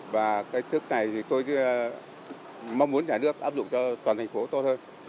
và cái thức này thì tôi mong muốn nhà nước áp dụng cho toàn thành phố tốt hơn